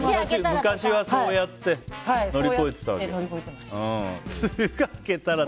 昔はそうやって乗り越えてたわけだ。